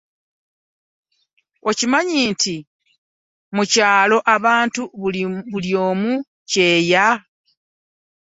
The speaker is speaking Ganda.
Okimanyi nti mu kyaloabantu bali mu kyeeya.